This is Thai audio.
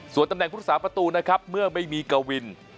ส่วนตำแหน่งพุทธศาสตร์ประตูนะครับเมื่อไม่มีเกาวิน